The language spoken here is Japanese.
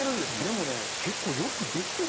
でもね結構。